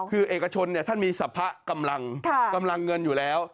คือเอกชนท่านมีสรรพะกำลังเงินอยู่แล้ว